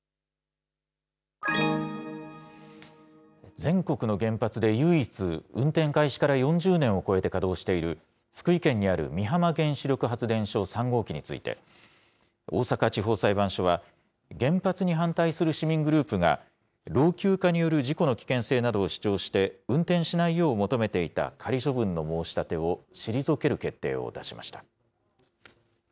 全国の原発で唯一、運転開始から４０年を超えて稼働している、福井県にある美浜原子力発電所３号機について、大阪地方裁判所は、原発に反対する市民グループが、老朽化による事故の危険性などを主張して、運転しないよう求めていた仮処分の申し立てを退ける決定を出しました。